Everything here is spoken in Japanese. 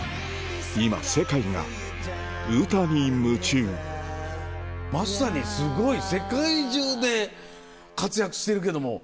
今世界がＵＴＡに夢中まさにすごい世界中で活躍してるけども。